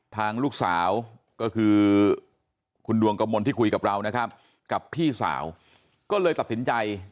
ทางลูกสาวก็คือคุณดวงกมลที่คุยกับเรานะครับกับพี่สาวก็เลยตัดสินใจ